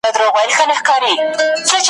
وروسته د پښتو ټولنې مشري